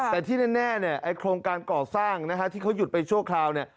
แต่ที่แน่โครงการก่อสร้างที่เขาหยุดไปช่วงคราว